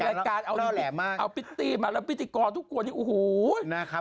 รายการน่าแหลมมากเอาปิตตี้มาแล้วปิตติกรทุกคนนี่โอ้โหนะครับ